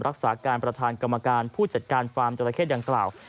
รักษาการประธานกรรมการผู้จัดการฟาร์มจราเข้ดังกล่าว